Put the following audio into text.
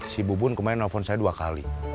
si bubun kemarin nelfon saya dua kali